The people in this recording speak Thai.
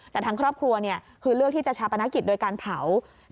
แต่ทางครอบครัวคือเลือกที่จะชาปนกิจโดยการเผา